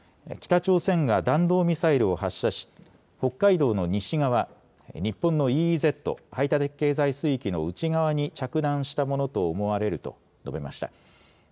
この中で岸田総理大臣は北朝鮮が弾道ミサイルを発射し北海道の西側、日本のＥＥＺ・排他的経済水域の内側に着弾したものと思われると述べました。